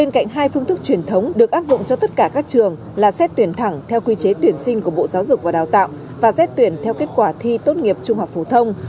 cạnh hai phương thức truyền thống được áp dụng cho tất cả các trường là xét tuyển thẳng theo quy chế tuyển sinh của bộ giáo dục và đào tạo và xét tuyển theo kết quả thi tốt nghiệp trung học phổ thông